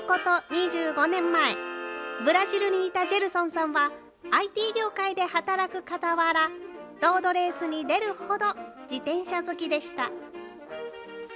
２５年前、ブラジルにいたジェルソンさんは、ＩＴ業界で働くかたわら、ロードレースに出るほど自転車好きでした。